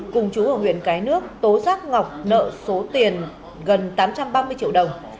cùng chú ở huyện cái nước tố giác ngọc nợ số tiền gần tám trăm ba mươi triệu đồng